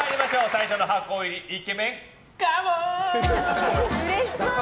最初の箱入りイケメンカモーン！